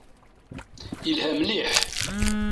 Yelha mliḥ.